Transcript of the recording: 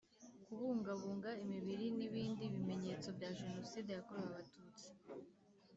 Kubungabunga imibiri n ibindi bimenyetso bya Jenoside yakorewe Abatutsi